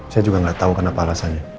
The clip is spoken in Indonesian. saya juga gak tau kenapa alasannya